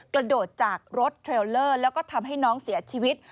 กระโดดจากรถเทรลเลอร์แล้วก็ทำให้น้องเสียชีวิต